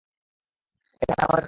এখানে আমাদের কাজ শেষ।